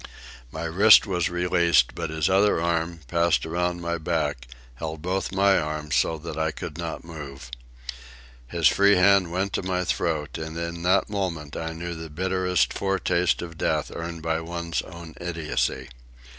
My wrist was released, but his other arm, passed around my back, held both my arms so that I could not move. His free hand went to my throat, and in that moment I knew the bitterest foretaste of death earned by one's own idiocy.